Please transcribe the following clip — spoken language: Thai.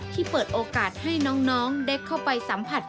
เปิดโอกาสให้น้องได้เข้าไปสัมผัส